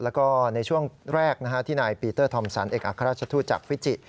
แล้วในช่วงแรกที่ท่านปีเตอร์ทอมซันเอกอัคภรรชชาติลอร์ธโชคิช